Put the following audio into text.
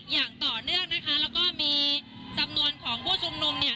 อย่างต่อเนื่องนะคะแล้วก็มีจำนวนของผู้ชุมนุมเนี่ย